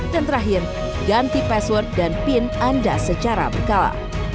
dan terakhir ganti password dan pin anda secara berkala